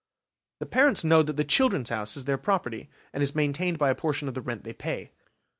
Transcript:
The parents know that the "Children's House" is their property, and is maintained by a portion of the rent they pay.